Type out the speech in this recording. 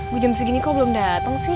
gue jam segini kok belum datang sih